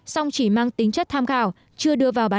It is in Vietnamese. song chỉ mang tính chất tham khảo chưa đưa vào bản án